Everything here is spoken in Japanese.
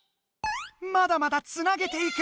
まだまだつなげていく！